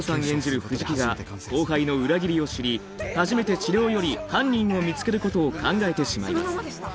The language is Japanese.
演じる藤木が後輩の裏切りを知り初めて治療より犯人を見つけることを考えてしまいます